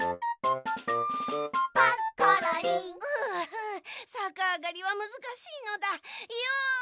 ふうさかあがりはむずかしいのだ。よ！